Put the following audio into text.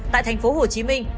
tại thành phố hồ chí minh